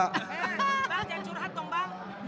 mbak jangan curhat dong bang